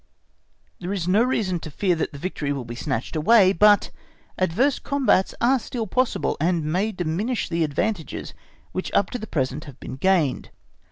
There is no reason to fear that the victory will be snatched away, but adverse combats are still possible, and may diminish the advantages which up to the present have been gained.